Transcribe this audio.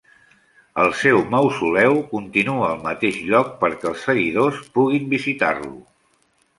El seu mausoleu continua al mateix lloc perquè els seguidors puguin visitar-lo.